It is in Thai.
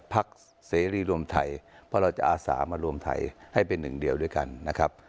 เสรีรวมไทยเพราะเราจะอาสามารวมไทยให้เป็นหนึ่งเดียวด้วยกันนะครับ